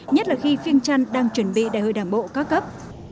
nhất là khi viêng trăn đang chuẩn bị đại hội đảng bộ cao cấp